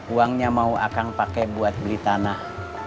uangnya mau akang pakai buat beli tanah